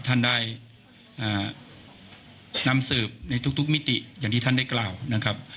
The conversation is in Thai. ท่านได้นำสืบในทุกมิติอย่างที่ท่านได้กล่าวนะครับ